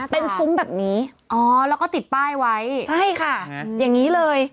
เป็นซุ้มแบบนี้